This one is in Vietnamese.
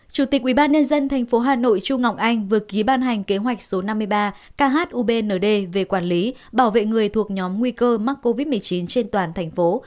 chủ tịch ubnd tp hà nội chu ngọc anh vừa ký ban hành kế hoạch số năm mươi ba khubnd về quản lý bảo vệ người thuộc nhóm nguy cơ mắc covid một mươi chín trên toàn thành phố